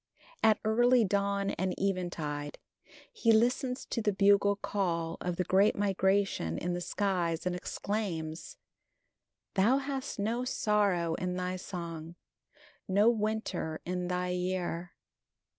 At early dawn and eventide he listens to the bugle call of the great migration in the skies and exclaims: Thou hast no sorrow in thy song, No winter in thy year.